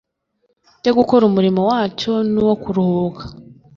byo gukora umurimo wacyo nuwo kuruhuka